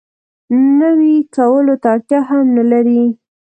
نوي کولو ته اړتیا هم نه لري.